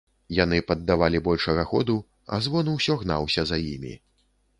Яны паддавалі большага ходу, а звон ўсё гнаўся за імі.